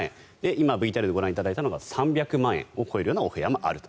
今、ＶＴＲでご覧いただいたのが３００万円を超えるようなお部屋もあると。